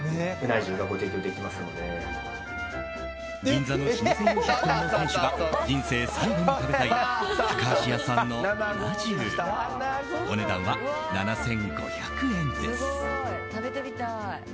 銀座の老舗洋食店の店主が人生最後に食べたい高橋屋さんのうな重お値段は７５００円です。